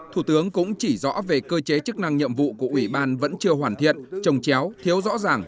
thủ tướng cũng chỉ rõ về cơ chế chức năng nhiệm vụ của ủy ban vẫn chưa hoàn thiện trồng chéo thiếu rõ ràng